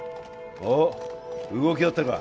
おっ動きあったか？